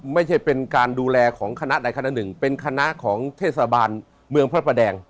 ไม่ใช่เป็นการดูแลของคณะใดคณะหนึ่งเป็นคณะของเทศบาลเมืองพระประแดง